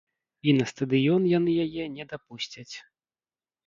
І на стадыён яны яе не дапусцяць.